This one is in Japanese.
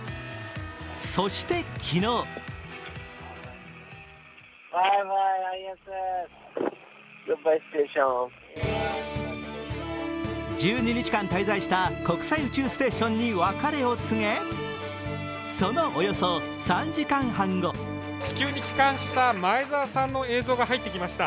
そして昨日１２日間滞在した国際宇宙ステーションに別れを告げそのおよそ３時間半後地球に帰還した前澤さんの映像が入ってきました。